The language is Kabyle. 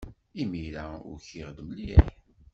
Imir-a ukiɣ-d mliḥ.